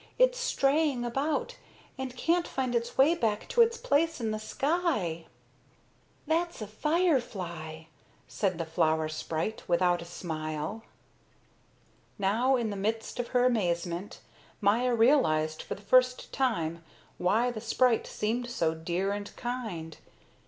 It's straying about and can't find its way back to its place in the sky." "That's a firefly," said the flower sprite, without a smile. Now, in the midst of her amazement, Maya realized for the first time why the sprite seemed so dear and kind.